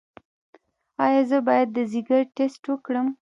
ایا زه باید د ځیګر ټسټ وکړم؟